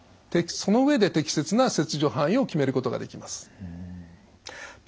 その上で適切な切除範囲を決めることができます。